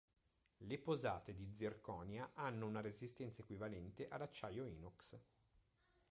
Le posate di zirconia hanno una resistenza equivalente all'acciaio inox.